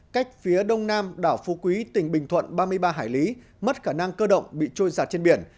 cách phía đông nam đảo phu quý tỉnh bình thuận ba mươi ba hải lý mất khả năng cơ động bị trôi giặt trên biển